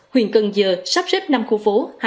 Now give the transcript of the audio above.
huyện cần giờ sắp xếp năm khu phố